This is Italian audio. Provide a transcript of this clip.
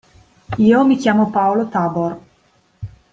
Io mi chiamo Paolo Tabor.